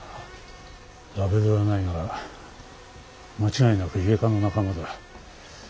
ラベルはないが間違いなくイエカの仲間だ。